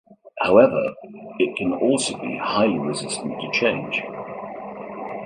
However, it can also be highly resistant to change.